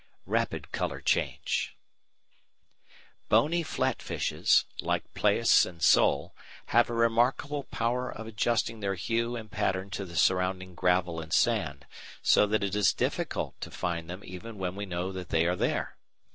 § 3 Rapid Colour change Bony flat fishes, like plaice and sole, have a remarkable power of adjusting their hue and pattern to the surrounding gravel and sand, so that it is difficult to find them even when we know that they are there.